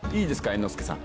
猿之助さん。